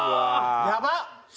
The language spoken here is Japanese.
やばっ！